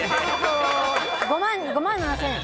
５万７０００円。